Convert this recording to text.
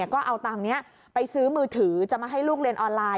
ก็เอาตังค์นี้ไปซื้อมือถือจะมาให้ลูกเรียนออนไลน์